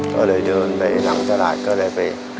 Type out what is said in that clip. ก็เลยเดินไปหลังตลาดก็เลยไป